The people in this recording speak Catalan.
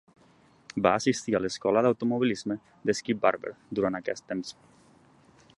Va assistir a l'escola d'automobilisme de Skip Barber durant aquest temps.